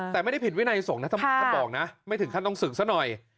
แต่ไม่ได้ผิดวินัยสงค์ถ้าบอกนะไม่ถึงขั้นต้องสึกแสน่ะ